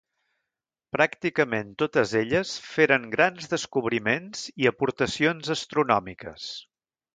Pràcticament totes elles feren grans descobriments i aportacions astronòmiques.